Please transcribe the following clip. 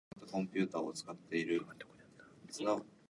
He cleared waivers, and was reassigned once more to the RedHawks.